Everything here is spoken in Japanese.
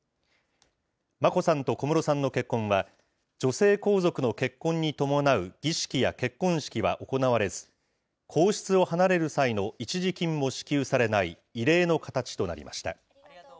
眞子さんと小室さんの結婚は、女性皇族の結婚に伴う儀式や結婚式は行われず、皇室を離れる際の一時金も支給されない異例の形となりました。